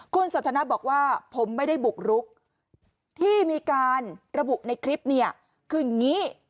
คุณสันทนะบอกว่าผมไม่ได้บุกรุกที่มีการระบุในคลิปคืองี้